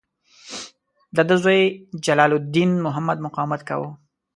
د ده زوی جلال الدین محمد مقاومت کاوه.